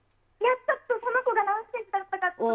その子が何センチだったかちょっと。